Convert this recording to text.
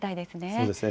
そうですね。